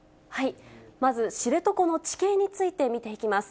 まず、知床の地形について見ていきます。